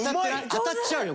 当たっちゃうよ。